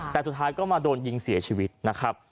แต่สุดท้ายก็มาโดนยิงเสียชีวิตนะครับ